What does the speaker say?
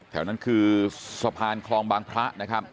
แถวนั้นคือสะพานคลองบางพระนะครับ